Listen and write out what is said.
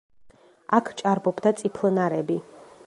აქ ჭარბობდა წიფლნარები.